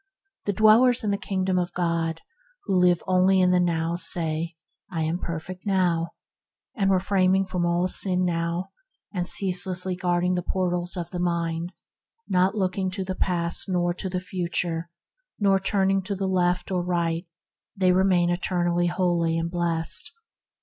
The dwellers in the Kingdom of God, who live only in the now, say, "I am perfect now"; refraining from all sin now, and ceaselessly guarding the portals of the mind, not looking to the past nor to the future, not turning to the left nor right, they remain eternally holy and blessed.